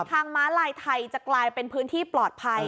ม้าลายไทยจะกลายเป็นพื้นที่ปลอดภัย